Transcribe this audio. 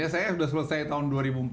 saya sudah selesai tahun dua ribu empat belas